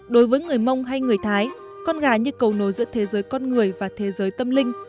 đối với người mông hay người thái con gà như cầu nối giữa thế giới con người và thế giới tâm linh